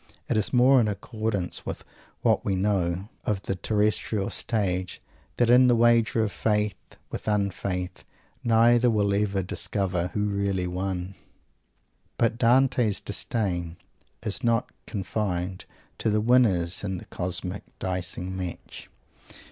It is more in accordance with what we know of the terrestrial stage that in this wager of faith with un faith neither will ever discover who really won! But Dante's "Disdain" is not confined to the winners in the cosmic dicing match.